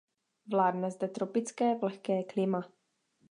Vládne zde tropické vlhké klima.